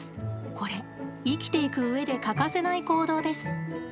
これ、生きていく上で欠かせない行動です。